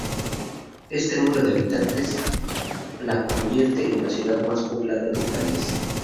Este número de habitantes la convierte en la ciudad más poblada del país.